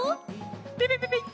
ピピピピッ。